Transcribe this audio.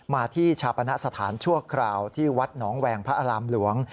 มาที่ชาปณะสถานชั่วคราวที่วัดหนองแวงพระอารามหลวง